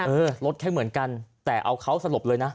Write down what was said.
เออรถแค่เหมือนกันแต่เอาเขาสลบเลยนะ